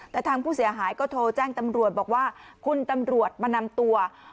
แต่ทางผู้เสียหายก็โทรแจ้งตำรวจบอกว่า